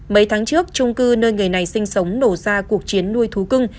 mấy tháng trước trung cư nơi người này sinh sống nổ ra cuộc chiến nuôi thú cưng